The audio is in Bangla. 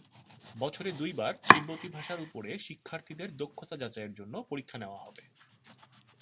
বছরে দুইবার তিব্বতি ভাষার উপর শিক্ষার্থীদের দক্ষতা যাচাইয়ের জন্য পরীক্ষা নেওয়া হবে।